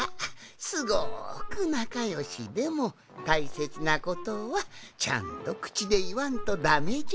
すごくなかよしでもたいせつなことはちゃんとくちでいわんとダメじゃな。